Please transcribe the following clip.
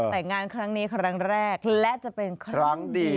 แต่งงานครั้งนี้ครั้งแรกและจะเป็นครั้งดี